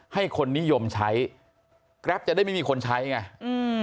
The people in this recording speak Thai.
ให้คนนิยมใช้แกรปจะได้ไม่มีคนใช้ไงอืม